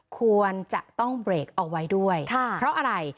ควรจะต้องเบรกเอาไว้ด้วยค่ะเพราะอะไร